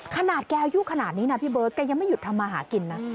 แกอายุขนาดนี้นะพี่เบิร์ดแกยังไม่หยุดทำมาหากินนะ